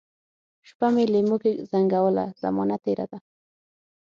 شپه مي لېموکې زنګوله ، زمانه تیره ده